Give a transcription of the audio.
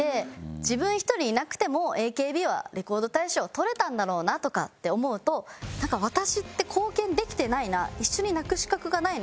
自分１人いなくてもＡＫＢはレコード大賞をとれたんだろうなとかって思うとなんか私って貢献できてないな一緒に泣く資格がないな